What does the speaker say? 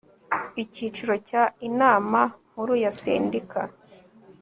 Icyiciro cya Inama Nkuru ya sendika